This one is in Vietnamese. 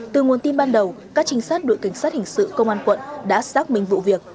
từ nguồn tin ban đầu các trinh sát đội cảnh sát hình sự công an quận đã xác minh vụ việc